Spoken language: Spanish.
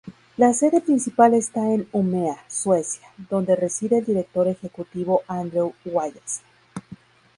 La sede principal está en Umeå, Suecia, donde reside el director ejecutivo Andrew Wallace.